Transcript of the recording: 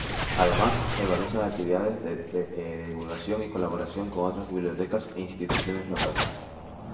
Además, se organizan actividades de divulgación y colaboración con otras bibliotecas e instituciones locales.